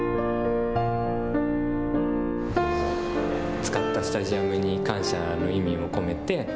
使ったスタジアムに感謝の意味を込めて。